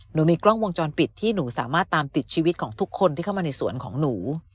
หนูมีกล้องวงจรปิดที่หนูสามารถตามติดชีวิตของทุกคนที่เข้ามาในสวนของหนู